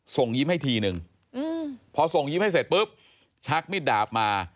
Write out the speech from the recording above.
ส่งยิ้มให้ทีนึงพอส่งยิ้มให้เสร็จปุ๊บชักมิดดาบมา